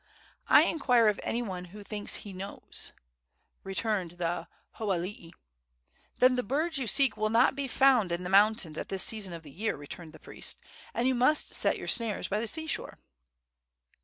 "I inquire of any one who thinks he knows," returned the hoalii. "Then the birds you seek will not be found in the mountains at this season of the year," returned the priest, "and you must set your snares by the sea shore."